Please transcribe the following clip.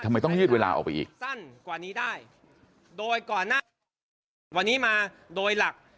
ทำไมต้องยืดเวลาออกไปอีก